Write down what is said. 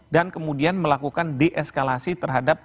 dan kemudian melakukan deeskalasi terhadap